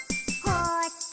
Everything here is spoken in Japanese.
「こっち？」